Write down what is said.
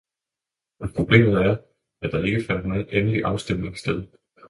Problemet er, at der ikke fandt nogen endelig afstemning sted.